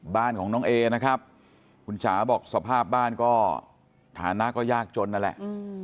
บ้านของน้องเอนะครับคุณจ๋าบอกสภาพบ้านก็ฐานะก็ยากจนนั่นแหละ